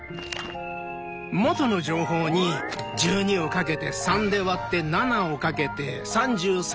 「元の情報」に１２をかけて３で割って７をかけて３３をかけて。